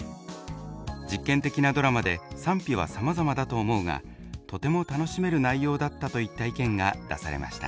「実験的なドラマで賛否はさまざまだと思うがとても楽しめる内容だった」といった意見が出されました。